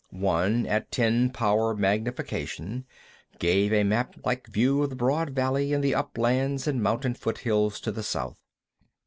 One, at ten power magnification, gave a maplike view of the broad valley and the uplands and mountain foothills to the south.